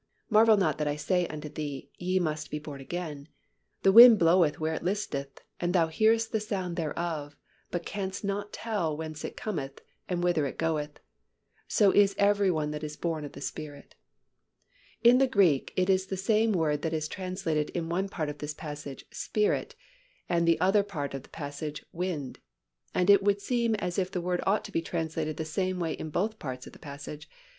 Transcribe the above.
Marvel not that I said unto thee, Ye must be born again. The wind bloweth where it listeth, and thou hearest the sound thereof, but canst not tell whence it cometh, and whither it goeth: so is every one that is born of the Spirit." In the Greek, it is the same word that is translated in one part of this passage "Spirit" and the other part of the passage "wind." And it would seem as if the word ought to be translated the same way in both parts of the passage.